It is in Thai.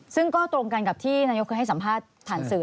ซึ่งก็ตรงกันกับที่นายกเคยให้สัมภาษณ์ผ่านสื่อ